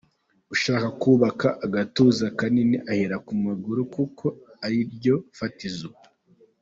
Ushaka kubaka agatuza kanini ahera ku maguru kuko ariryo fatizo.